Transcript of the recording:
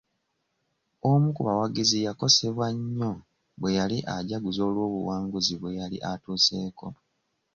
Omu ku bawagizi yakosebwa nnyo bweyali ajaguza olw'obuwanguzi bwe yali atuuseko.